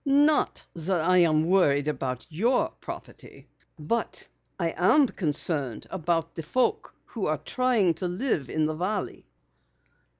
Not that I'm worried about your property. But I am concerned about the folks who are still living in the valley."